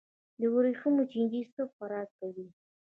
د وریښمو چینجی څه خوراک کوي؟